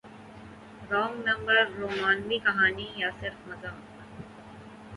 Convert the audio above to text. wrong number رومانوی کہانی یا صرف مذاق